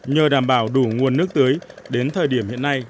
nhờ đảm bảo đủ nguồn nước tưới đến thời điểm hiện nay